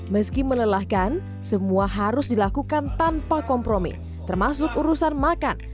meski melelahkan semua harus dilakukan tanpa kompromi termasuk urusan makan